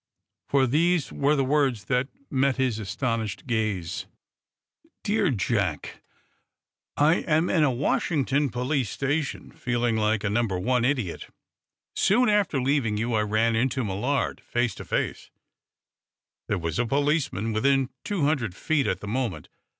For these were the words that met his astounded gaze. _"Dear Jack: I am in a Washington police station, feeling like a number one idiot. Soon after leaving you I ran into Millard, face to face, There was a policeman within two hundred feet at the moment.